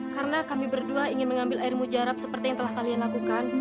karena kami berdua ingin mengambil air mujarab seperti yang telah kalian lakukan